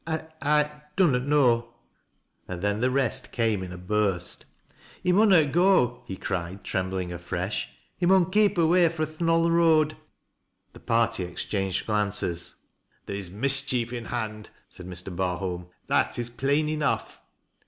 I — I dunnot know " And then the rest came in a burst. " He mnnnot go," he ci ied, trembling afresh. " He mun keep away fro' th' Knoll Eoad." The party exchanged glances. " There is mischief in hand," said Mr. Barholm ;" that is plain enough."